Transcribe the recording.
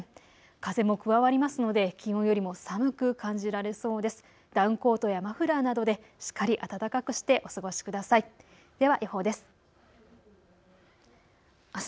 風も加わりますので気温よりも寒く感じられそうです。